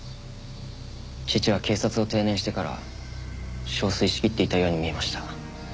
父は警察を定年してから憔悴しきっていたように見えました。